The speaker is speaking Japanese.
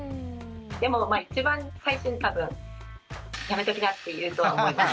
でも一番最初に多分「やめときな！」って言うと思います。